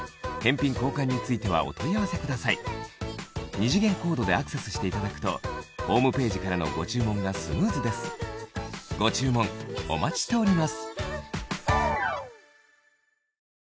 二次元コードでアクセスしていただくとホームページからのご注文がスムーズですご注文お待ちしております